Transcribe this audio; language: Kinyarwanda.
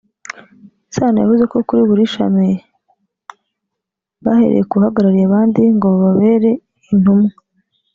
Sano yavuze ko kuri buri shami bahereye ku bahagarariye abandi ngo bababere intumwa